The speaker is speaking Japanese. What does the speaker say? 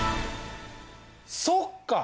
そっか。